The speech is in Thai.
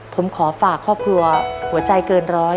ผมขอฝากครอบครัวหัวใจเกินร้อย